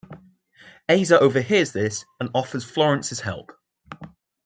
Asa overhears this and offers Florence his help.